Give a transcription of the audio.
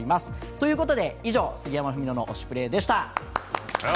ということで、以上、杉山文野の「推しプレ！」でした。